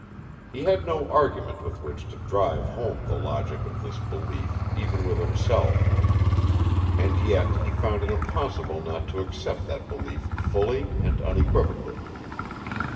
He had no argument with which to drive home the logic of this belief even with himself, and yet he found it impossible not to accept that belief fully and unequivocally.